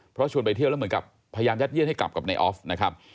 เพราะชวนไปเที่ยวแล้วเหมือนกับพยายามยัดเยียดให้กลับกับนายออฟนะครับ